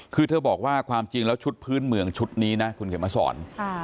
คือเธอบอกว่าความจริงแล้วชุดพื้นเมืองชุดนี้นะคุณเขียนมาสอน